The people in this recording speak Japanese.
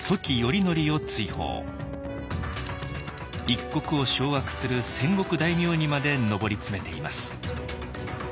一国を掌握する戦国大名にまで上り詰めています。